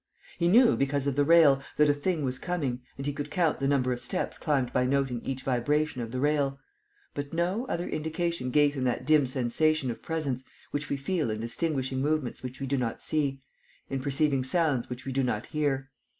He knew, because of the rail, that a thing was coming and he could count the number of steps climbed by noting each vibration of the rail; but no other indication gave him that dim sensation of presence which we feel in distinguishing movements which we do not see, in perceiving sounds which we do not hear.